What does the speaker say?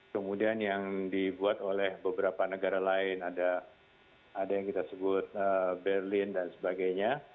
kemudian yang dibuat oleh beberapa negara lain ada yang kita sebut berlin dan sebagainya